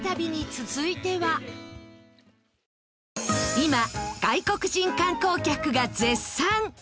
今外国人観光客が絶賛！